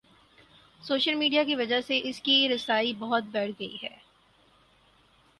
Social media کی وجہ سے اس کی رسائی بہت بڑھ گئی ہے۔